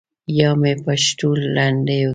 یا مې په پښتو لنډیو کې.